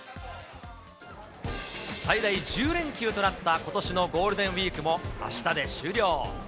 最大１０連休となったことしのゴールデンウィークも、あしたで終了。